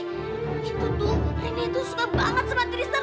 itu tuh rene tuh suka banget sama tristan